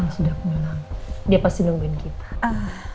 lo sudah penulang dia pasti tungguin kita